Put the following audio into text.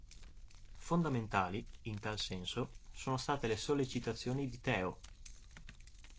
Fondamentali, in tal senso, sono state le sollecitazioni di Théo.